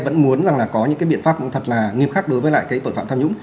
vẫn muốn rằng là có những cái biện pháp thật là nghiêm khắc đối với lại cái tội phạm tham nhũng